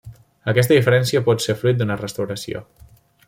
Aquesta diferència pot ser fruit d'una restauració.